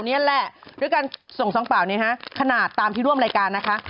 นี่แหละด้วยการส่งซองเปล่านี้ฮะขนาดตามที่ร่วมรายการนะคะ